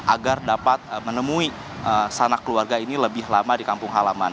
agar dapat menemui sanak keluarga ini lebih lama di kampung halaman